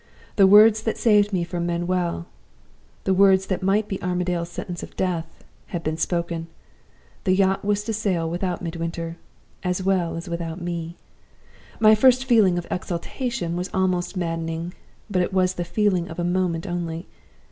The words that saved me from Manuel the words that might be Armadale's sentence of death had been spoken. The yacht was to sail without Midwinter, as well as without me! "My first feeling of exultation was almost maddening. But it was the feeling of a moment only.